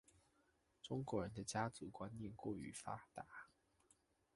中國人的家族觀念過於發達